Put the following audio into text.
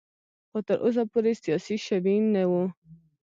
خو تر اوسه پورې سیاسي شوی نه و.